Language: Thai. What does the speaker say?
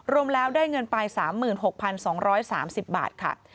รวมแล้วได้เงินไป๓๖๒๓๐บาทค่ะ